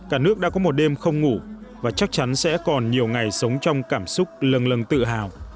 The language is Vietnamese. cả nước đã có một đêm không ngủ và chắc chắn sẽ còn nhiều ngày sống trong cảm xúc lưng lưng tự hào